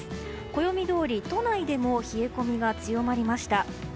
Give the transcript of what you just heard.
暦どおり都内でも冷え込みが強まりました。